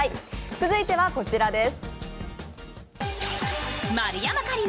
続いてはこちらです。